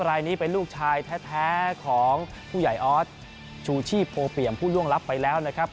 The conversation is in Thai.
รายนี้เป็นลูกชายแท้ของผู้ใหญ่ออสชูชีพโพเปี่ยมผู้ล่วงลับไปแล้วนะครับ